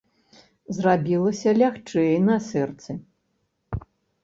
Зрабілася лягчэй на сэрцы.